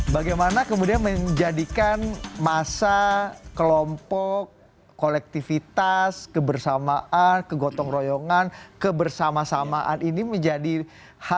bagaimana kemudian menjadikan massa kelompok kolektivitas kebersamaan kegotong royongan kebersama samaan ini menjadi hal yang sangat diaguh aguhkan